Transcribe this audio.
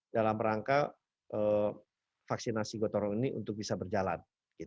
dalam rangka vaksinasi gotong royong ini untuk bisa berjalan